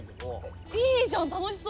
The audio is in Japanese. いいじゃん楽しそう！